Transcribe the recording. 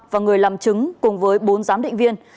và người làm chứng cùng với bốn giám định viên